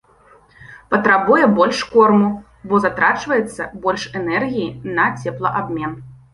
Патрабуе больш корму, бо затрачваецца больш энергіі на цеплаабмен.